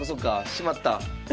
しまった。